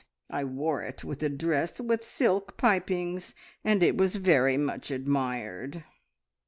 I wore it with a dress with silk pipings, and it was very much admired.